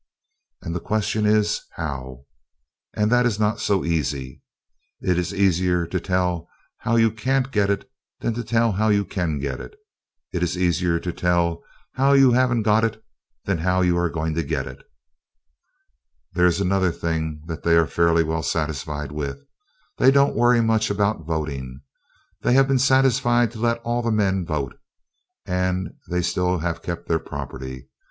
And the question is how? And that is not so easy. It is easier to tell how you can't get it than to tell how you can get it. It is easier to tell how you haven't got it than how you are going to get it. There is another thing that they are fairly well satisfied with: They don't worry much about voting. They have been satisfied to let all the men vote, and they have still kept their property.